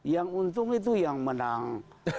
yang untung itu yang menang